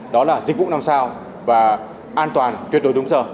đó là dịch vụ năm sao và an toàn tuyệt đối đúng giờ